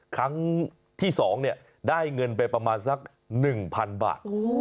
ครั้งที่๒ได้เงินไปประมาณสัก๑๐๐๐บาท